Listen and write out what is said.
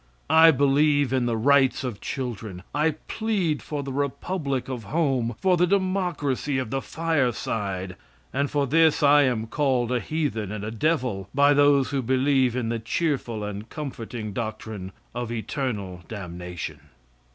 I believe in the rights of children. I plead for the republic of home, for the democracy of the fireside, and for this I am called a heathen and a devil by those who believe in the cheerful and comforting doctrine of eternal damnation.